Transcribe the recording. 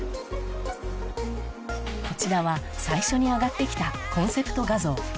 こちらは最初に上がって来たコンセプト画像